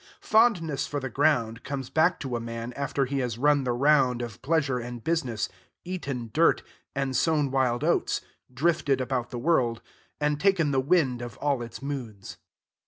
Fondness for the ground comes back to a man after he has run the round of pleasure and business, eaten dirt, and sown wild oats, drifted about the world, and taken the wind of all its moods.